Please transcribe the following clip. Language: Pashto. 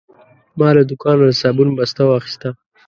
ما له دوکانه د صابون بسته واخیسته.